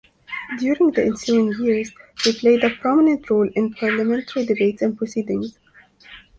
During the ensuing years, he played a prominent role in parliamentary debates and proceedings.